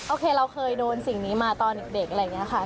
โอเคเราเคยโดนสิ่งนี้มาตอนเด็กอะไรอย่างนี้ค่ะ